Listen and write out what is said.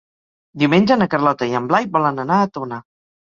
Diumenge na Carlota i en Blai volen anar a Tona.